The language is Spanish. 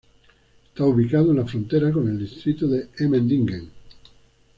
Está ubicado en la frontera con el distrito de Emmendingen.